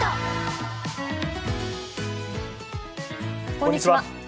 こんにちは。